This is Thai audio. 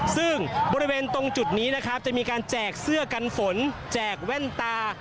ซึ่งบริเวณตรงจุดนี้นะครับจะมีการแจกเสื้อกันฝนแจกแว่นตา